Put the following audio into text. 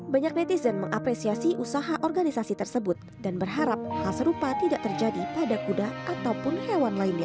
banyak netizen mengapresiasi usaha organisasi tersebut dan berharap hal serupa tidak terjadi pada kuda ataupun hewan lainnya